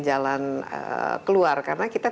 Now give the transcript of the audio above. jalan keluar karena kita